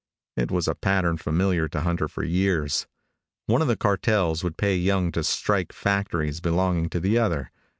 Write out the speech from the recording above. It was a pattern familiar to Hunter for years. One of the cartels would pay Young to strike factories belonging to the other.